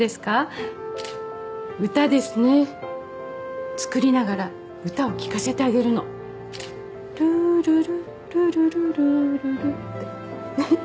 はい歌ですね作りながら歌を聴かせてあげるの「ルールルルルルルールル」ってふふっ